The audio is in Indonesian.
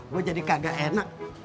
gue jadi kagak enak